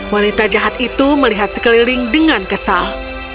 wanita jahat itu melihat sekeliling dengan kesal